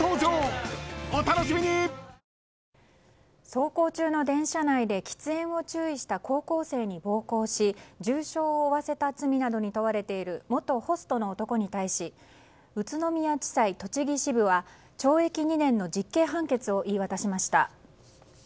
走行中の電車内で喫煙を注意した高校生に暴行し重傷を負わせた罪などに問われている元ホストの男に対し宇都宮地裁栃木支部は懲役２年の実刑判決を言い渡しました。